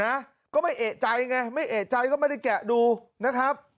นะก็ไม่เอกใจไงไม่เอกใจก็ไม่ได้แกะดูนะครับ